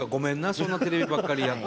そんなテレビばっかりやって。